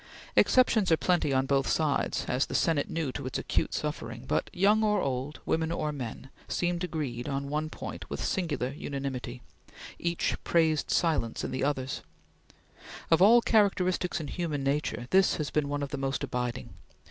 Exceptions are plenty on both sides, as the Senate knew to its acute suffering; but young or old, women or men, seemed agreed on one point with singular unanimity; each praised silence in others. Of all characteristics in human nature, this has been one of the most abiding.